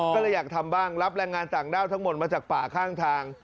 ก็เลยอยากทำบ้างรับแรงงานต่างด้าวทั้งหมดมาจากป่าข้างทาง